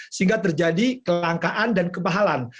sehingga terjadi kelangkaan dan kebahal